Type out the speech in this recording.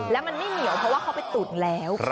แล้วมันไม่เหนียวเพราะว่าเขาไปตุ๋นแล้ว